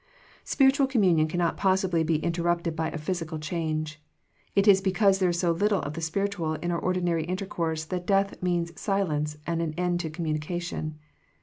Spiritual communion cannot possibly be interrupted by a physical change. It is because there is so little of the spiritual in our ordinary intercourse that death means silence and an end to commun ion.